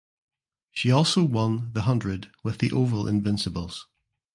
She also won The Hundred with the Oval Invincibles.